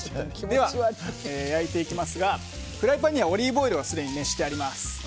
では、焼いていきますがフライパンにはオリーブオイルがすでに熱してあります。